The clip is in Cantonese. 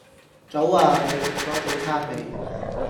早呀！你食左早餐未